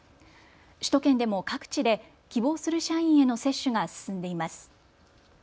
首都圏でも各地で希望する社員への接種が進んでいます。